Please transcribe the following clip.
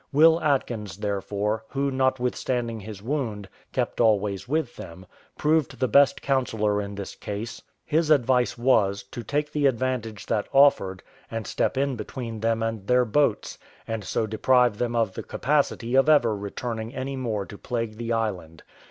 Will Atkins, therefore, who notwithstanding his wound kept always with them, proved the best counsellor in this case: his advice was, to take the advantage that offered, and step in between them and their boats, and so deprive them of the capacity of ever returning any more to plague the island.